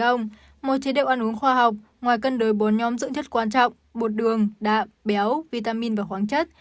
một chế độ ăn uống khoa học ngoài cân đối bốn nhóm dưỡng chất quan trọng bột đường đạm béo vitamin và khoáng chất